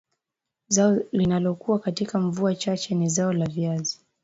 Zao linalokua katika mvua chache ni zao la viazi